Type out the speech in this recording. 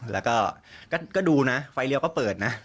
แล้วก็ดูนะไฟเลี้ยก็เปิดนะ